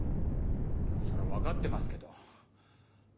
まぁそれは分かってますけど。